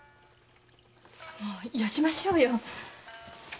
もうよしましょうよ。